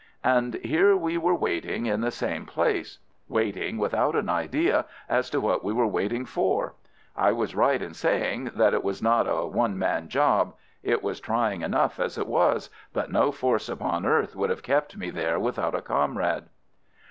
And here we were waiting in the same place—waiting without an idea as to what we were waiting for. I was right in saying that it was not a one man job. It was trying enough as it was, but no force upon earth would have kept me there without a comrade.